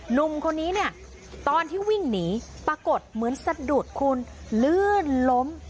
หนุ่มคนนี้เนี่ยตอนที่วิ่งหนีปรากฏเหมือนสะดุดคุณลื่นล้ม